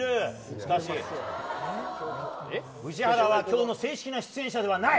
しかし、宇治原は今日の正式な出演者ではない！